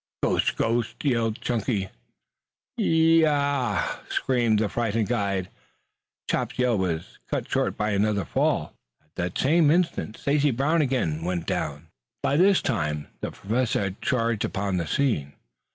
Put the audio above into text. "Ghost! Ghost!" yelled Chunky. "Yi i i i yah!" screamed the frightened guide. Chops's yell was cut short by another fall. At the same instant Stacy Brown again went down. By this time the Professor had charged upon the scene.